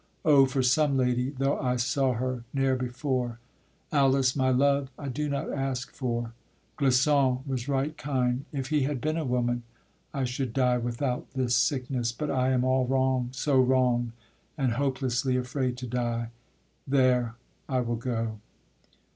O for some lady, though I saw her ne'er before; Alice, my love, I do not ask for; Clisson was right kind, If he had been a woman, I should die Without this sickness: but I am all wrong, So wrong, and hopelessly afraid to die. There, I will go.